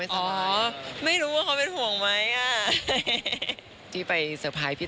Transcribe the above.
อเรนนี่คือเขาเป็นห่วงไหมเราไม่สบาย